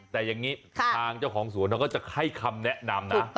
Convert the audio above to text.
แต่อย่างนี้ทางเจ้าของสวนเขาก็จะให้คำแนะนำนะ